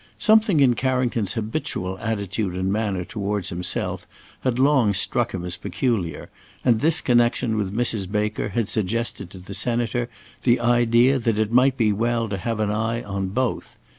Something in Carrington's habitual attitude and manner towards himself had long struck him as peculiar, and this connection with Mrs. Baker had suggested to the Senator the idea that it might be well to have an eye on both.